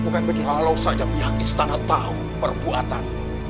bukan kalau saja pihak istana tahu perbuatan